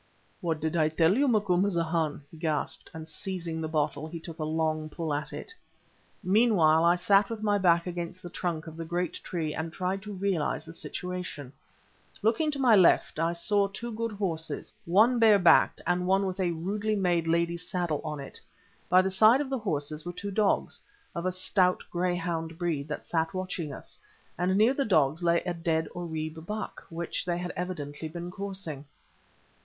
"What did I tell you, Macumazahn?" he gasped, and seizing the bottle, he took a long pull at it. Meanwhile I sat with my back against the trunk of the great tree and tried to realize the situation. Looking to my left I saw too good horses—one bare backed, and one with a rudely made lady's saddle on it. By the side of the horses were two dogs, of a stout greyhound breed, that sat watching us, and near the dogs lay a dead Oribé buck, which they had evidently been coursing.